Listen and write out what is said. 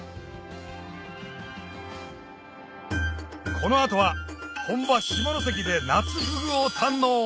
この後は本場下関で夏フグを堪能！